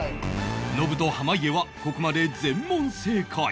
ノブと濱家はここまで全問正解